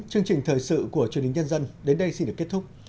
chương trình thời sự của truyền hình nhân dân đến đây xin được kết thúc